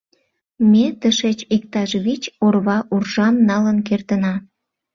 Ме тышеч иктаж вич орва уржам налын кертына.